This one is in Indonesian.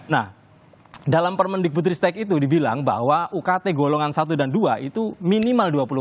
nah dalam permendikbutristek itu dibilang bahwa ukt golongan satu dan dua itu minimal dua puluh empat